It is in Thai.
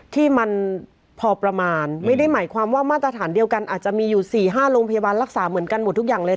ที่มันพอประมาณไม่ได้หมายความว่ามาตรฐานเดียวกันอาจจะมีอยู่๔๕โรงพยาบาลรักษาเหมือนกันหมดทุกอย่างเลย